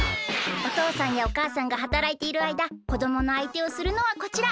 おとうさんやおかあさんがはたらいているあいだこどものあいてをするのはこちら！